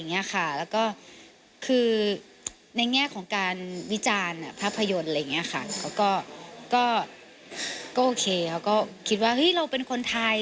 เนี่ยค่ะแล้วก็คือในแง่ของการวิจารณ์ภาพยนตร์เลยเนี่ยค่ะแล้วก็ก็โอเคแล้วก็คิดว่าเฮ้ยเราเป็นคนไทย